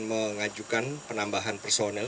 mengajukan penambahan personil